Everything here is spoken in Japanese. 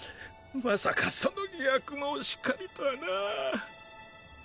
まさかその逆もしかりとはなぁ。